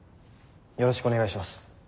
よろしくお願いします。